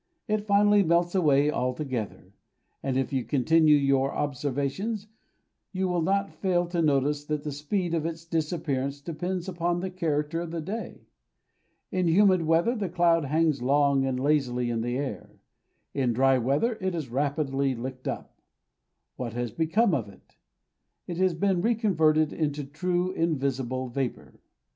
It finally melts away altogether; and if you continue your observations, you will not fail to notice that the speed of its disappearance depends upon the character of the day. In humid weather the cloud hangs long and lazily in the air; in dry weather it is rapidly licked up. What has become of it? It has been reconverted into true invisible vapour.